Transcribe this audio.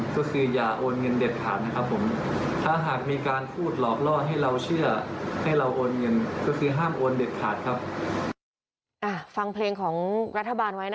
ถ้าหากมีการพูดหลอกล่อให้เราเชื่อให้เราโอนเงิน